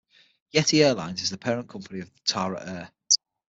Yeti Airlines is the parent company of Tara Air.